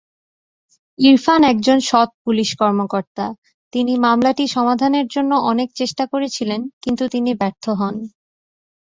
ইরফান একজন সৎ পুলিশ কর্মকর্তা ।তিনি মামলাটি সমাধানের জন্য অনেক চেষ্টা করেছিলেন কিন্তু তিনি ব্যর্থ হন।